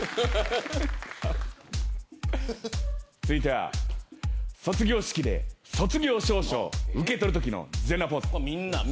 続いては卒業式で卒業証書を受け取るときの全裸ポーズ。